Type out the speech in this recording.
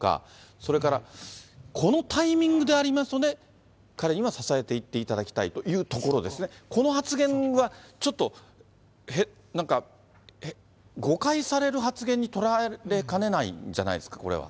それからこのタイミングでありますので、彼には支えていっていただきたいというところですね、この発言は、ちょっとなんか、誤解される発言に捉えかねないんじゃないですか、これは。